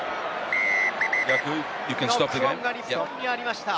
ノックオンが日本にありました。